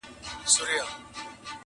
کوم ظالم چي مي افغان په کاڼو ولي،